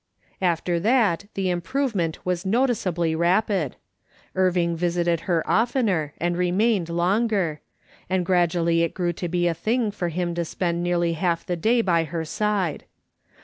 After that the improvement was noticeably rapid. Irving visited her oftener and remained longer, and gradually it grew to be the thing for him to spend nearly half of the day by her side.